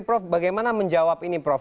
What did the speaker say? prof bagaimana menjawab ini prof